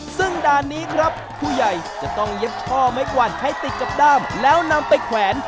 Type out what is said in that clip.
ซึ่งด่านนี้ครับผู้ใหญ่จะต้องเย็บช่อไม้กวาดใช้ติดกับด้ามแล้วนำไปแขวน